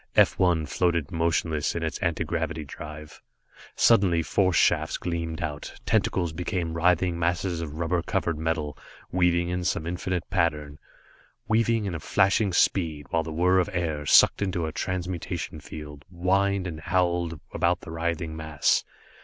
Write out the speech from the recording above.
F 1 floated motionless on its anti gravity drive. Suddenly, force shafts gleamed out, tentacles became writhing masses of rubber covered metal, weaving in some infinite pattern, weaving in flashing speed, while the whirr of air sucked into a transmutation field, whined and howled about the writhing mass.